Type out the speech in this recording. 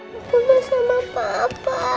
aku mau sama papa